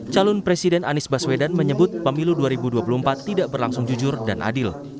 calon presiden anies baswedan menyebut pemilu dua ribu dua puluh empat tidak berlangsung jujur dan adil